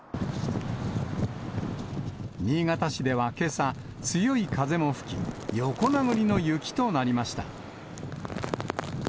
新潟市ではけさ、強い風も吹き、横殴りの雪となりました。